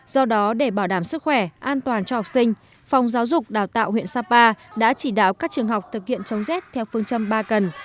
do đó để bảo đảm sức khỏe an toàn cho học sinh phòng giáo dục đào tạo huyện sapa đã chỉ đạo các trường học thực hiện chống rét theo phương châm ba cần